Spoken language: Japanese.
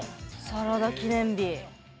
「サラダ記念日」。